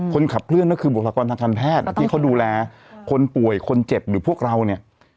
คนขับเคลื่อนก็คือบุคลากรทางการแพทย์ที่เขาดูแลคนป่วยคนเจ็บหรือพวกเราเนี่ย